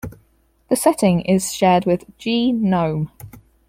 The setting is shared with G-Nome.